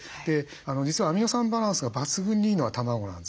実はアミノ酸バランスが抜群にいいのは卵なんですね。